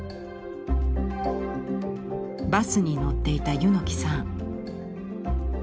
バスに乗っていた柚木さん。